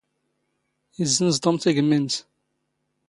ⵉⵣⵣⵏⵣⴰ ⵜⵓⵎ ⵜⵉⴳⵎⵎⵉ ⵏⵏⵙ.